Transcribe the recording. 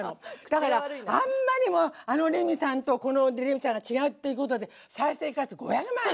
だからあんまりにもあのレミさんとこのレミさんが違うっていうことで再生回数５００万よ。